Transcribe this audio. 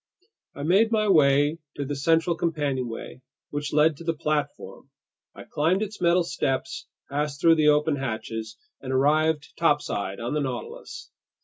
I made my way to the central companionway, which led to the platform. I climbed its metal steps, passed through the open hatches, and arrived topside on the Nautilus.